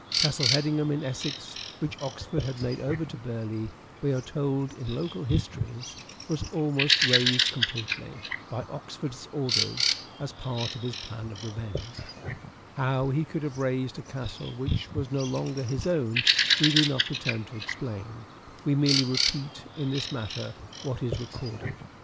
Castle Hedingham in Essex which Oxford had made over to Burleigh, we are told in local histories, EARLY MANHOOD IF EDWARD DE VERE 279 was almost razed completely, by Oxford's orders, as part of his plan of revenge. How he could have razed a castle which was no longer his own we do not pretend to explain : we merely repeat in this matter what is recorded.